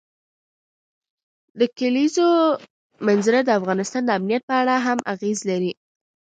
د کلیزو منظره د افغانستان د امنیت په اړه هم اغېز لري.